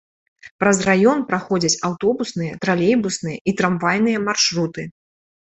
Праз раён праходзяць аўтобусныя, тралейбусныя і трамвайныя маршруты.